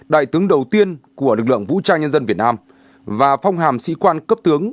đại tướng đầu tiên của lực lượng vũ trang nhân dân việt nam và phong hàm sĩ quan cấp tướng